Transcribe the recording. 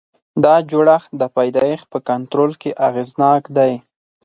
دا جوړښت د پیدایښت په کنټرول کې اغېزناک دی.